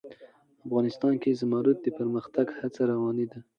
افغانستان کې د زمرد د پرمختګ هڅې روانې دي.